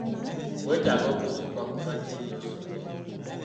Weetaaga okuzuukuka ku makya ennyo osome.